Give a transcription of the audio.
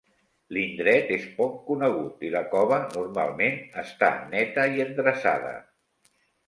L'indret és poc conegut i la cova, normalment, està neta i endreçada.